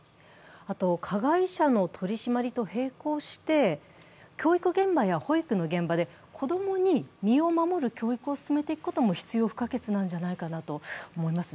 加害者の取締りの並行して教育現場や保育の現場で子供に身を守る教育を進めていくことも必要不可欠なんじゃないかと思います。